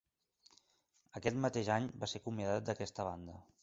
Aquest mateix any va ser acomiadat d'aquesta banda.